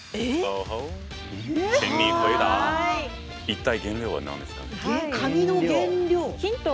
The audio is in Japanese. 一体原料は何ですかね。